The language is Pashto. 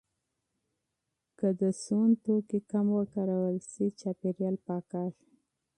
که د سون توکي کم وکارول شي، چاپیریال پاکېږي.